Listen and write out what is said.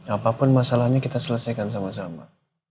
apapun masalahnya kita selesaikan sama sama